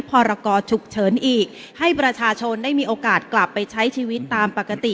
พรกรฉุกเฉินอีกให้ประชาชนได้มีโอกาสกลับไปใช้ชีวิตตามปกติ